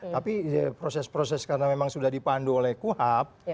tapi proses proses karena memang sudah dipandu oleh kuhap